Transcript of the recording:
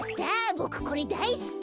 ボクこれだいすき！